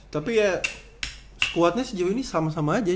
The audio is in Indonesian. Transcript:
tapi ya kuatnya sejauh ini sama sama aja